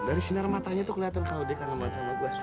dari sinar matanya tuh kelihatan kalau dia kangen banget sama gue